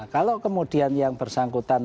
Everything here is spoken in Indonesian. kalau kemudian yang bersangkutan